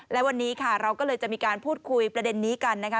และวันนี้ค่ะเราก็เลยจะมีการพูดคุยประเด็นนี้กันนะคะ